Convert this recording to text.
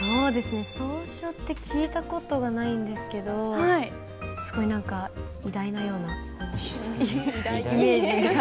草書って聞いた事がないんですけどすごい何か偉大なようなイメージが。